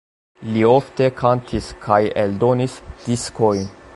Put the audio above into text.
Li ofte kantis kaj eldonis diskojn.